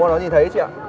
đúng rồi nó nhìn thấy chị ạ